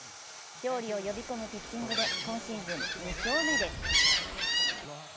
勝利を呼び込むピッチングで今シーズン２勝目です。